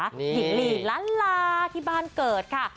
หญิงลีล้านลาที่บ้านเกิดค่ะ